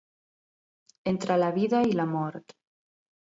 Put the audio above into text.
Entre la vida i la mort.